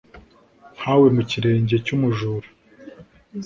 nka we mu kirenge cy'umujura